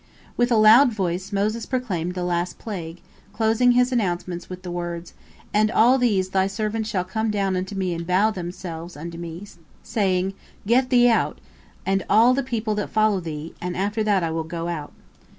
With a loud voice Moses proclaimed the last plague, closing his announcement with the words: "And all these thy servants shall come down unto me and bow down themselves unto me, saying, Get thee out: and all the people that follow thee; and after that I will go out."